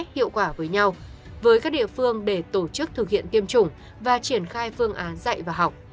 hiệu quả với nhau với các địa phương để tổ chức thực hiện tiêm chủng và triển khai phương án dạy và học